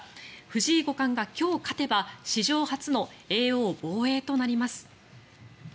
藤井五冠が今日勝てば史上初の叡王防衛となります。